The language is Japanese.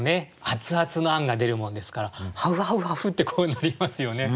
アツアツのあんが出るもんですからハフハフハフってこうなりますよね。